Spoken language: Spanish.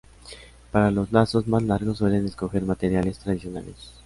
Para los lazos más largos suelen escoger materiales tradicionales.